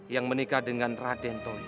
yang menikah dengan raden toy